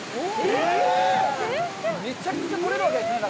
めちゃくちゃ取れるわけですね。